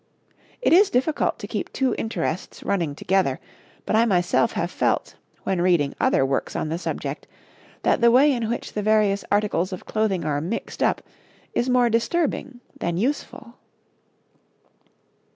It is difficult to keep two interests running together, but I myself have felt, when reading other works on the subject, that the way in which the various articles of clothing are mixed up is more disturbing than useful.